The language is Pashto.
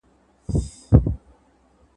مېلمه په زوره نه ساتل کېږي.